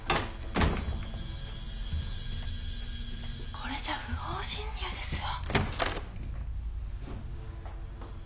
これじゃ不法侵入ですよ。